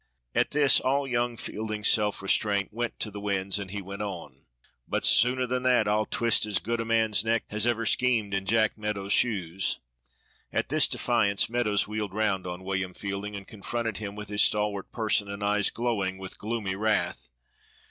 At this all young Fielding's self restraint went to the winds, and he went on "But sooner than that, I'll twist as good a man's neck as ever schemed in Jack Meadows' shoes!" At this defiance Meadows wheeled round on William Fielding and confronted him with his stalwart person and eyes glowing with gloomy wrath.